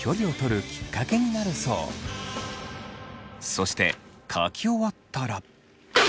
そして書き終わったら。